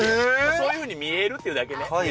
そういうふうに見えるっていうだけね。